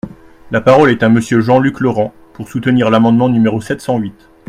La parole est à Monsieur Jean-Luc Laurent, pour soutenir l’amendement numéro sept cent huit.